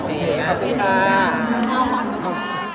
ดีครับพี่ค่ะ